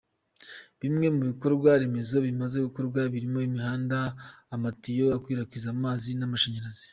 Bimwe mu bikorwa remezo bimaze gukorwa birimo imihanda n’amatiyo akwirakwiza amazi n’amashanyarazi.